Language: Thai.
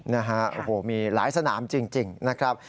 นะฮะโอ้โหมีหลายสนามจริงนะครับ